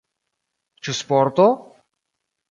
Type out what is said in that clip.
Ĉu sporto?